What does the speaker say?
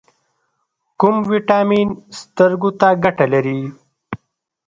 کوم ویټامین سترګو ته ګټه لري؟